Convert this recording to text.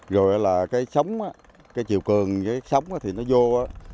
rồi là cái sống á cái triều cường cái sống á thì nó vô á